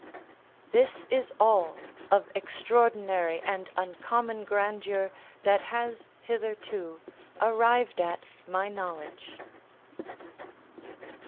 This is all of extraordinary and uncommon grandeur that has hitherto arrived at my knowledge.